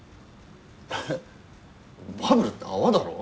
えっバブルって泡だろ？